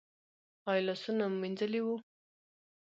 ایا لاسونه مو مینځلي وو؟